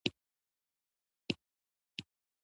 مشرقي زون اقليمي بدلون نه زيات متضرره دی.